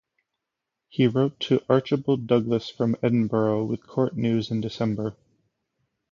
He wrote to Archibald Douglas from Edinburgh with court news in December.